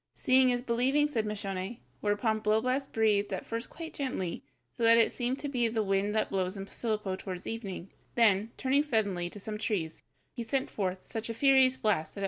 "Seeing is believing," said Moscione, whereupon Blowblast breathed at first quite gently, so that it seemed to be the wind that blows in Posilippo toward evening; then, turning suddenly to some trees, he sent forth such a furious blast that it uprooted a row of oaks.